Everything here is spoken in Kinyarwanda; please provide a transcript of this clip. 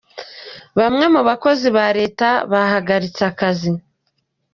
Bamwe mu bakozi ba reta bahagaritse akazi